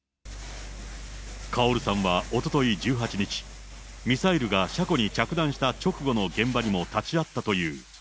カオルさんはおととい１８日、ミサイルが車庫に着弾した直後の現場にも立ち会ったという。